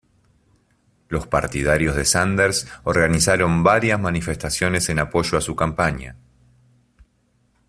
Los partidarios de Sanders organizaron varias manifestaciones en apoyo a su campaña.